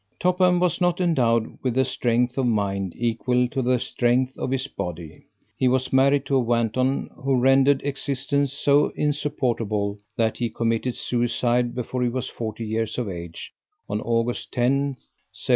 Topham was not endowed with a strength of mind equal to the strength of his body. He was married to a wanton who rendered existence so insupportable that he committed suicide before he was forty years of age, on August 10th, 1749.